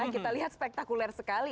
kita lihat spektakuler sekali